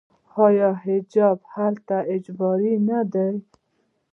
آیا حجاب هلته اجباري نه دی؟